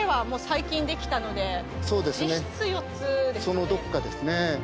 そのどっかですね。